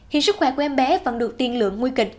hiện sức khỏe của em bé vẫn được tiên lượng nguy kịch